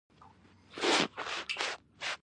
د پروټین او سپلیمنټ بازار څنګه دی؟